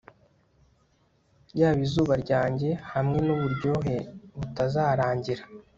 yaba izuba ryanjye, hamwe nuburyohe butazarangira